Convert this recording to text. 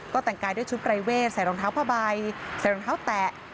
ก็แต่งกายด้วยชุดปรายเวทใส่รองเท้าผ้าใบใส่รองเท้าแตะ